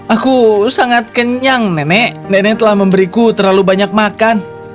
aku sangat kenyang nenek nenek telah memberiku terlalu banyak makan